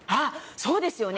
そうですよね！